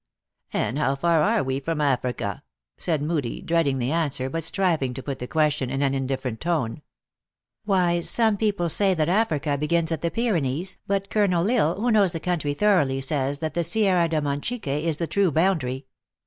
" And how far are we from Africa ?" said Moodie, dreading the answ r er, but striving to put the question in an indiiferent tone. " Why some people say that Africa begins at the Pyrenees, but Colonel L Isle, who knows the country thoroughly, says that the Sierra de Monchique is the true boundary.